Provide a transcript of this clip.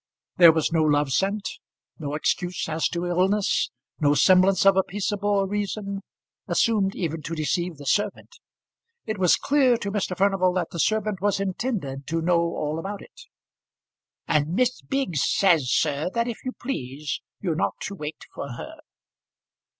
There was no love sent, no excuse as to illness, no semblance of a peaceable reason, assumed even to deceive the servant. It was clear to Mr. Furnival that the servant was intended to know all about it. "And Miss Biggs says, sir, that if you please you're not to wait for her."